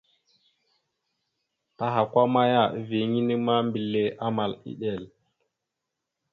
Tahakwa maya, eviyeŋa inne ma, mbile amal iɗel.